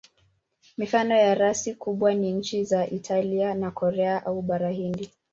Mifano ya rasi kubwa ni nchi za Italia na Korea au Bara Hindi.